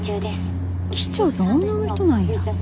機長さん女の人なんや。